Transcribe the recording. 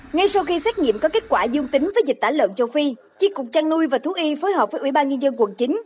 ngay sau khi xét nghiệm có kết quả dương tính với dịch tả lợn châu phi chiếc cục chăn nuôi và thú y phối hợp với ủy ban nhân dân quận chín